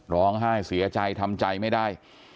ร้องไห้เสียใจทำใจไม่ได้